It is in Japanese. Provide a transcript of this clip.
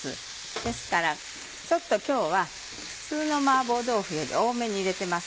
ですからちょっと今日は普通のマーボー豆腐より多めに入れてます。